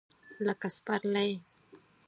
لکه سپرلی !